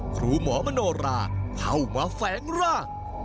ครูหมอมโนราเข้ามาแฝงร่าง